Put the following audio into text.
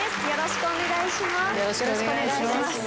よろしくお願いします。